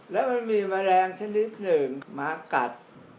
แล้วมันมีแมลงชนิดหนึ่งหมากัด